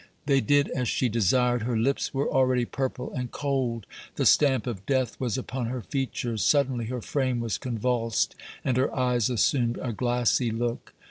They did as she desired; her lips were already purple and cold; the stamp of death was upon her features. Suddenly her frame was convulsed and her eyes assumed a glassy look.